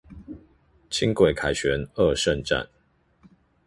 輕軌凱旋二聖站